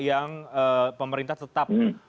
yang pemerintah tetap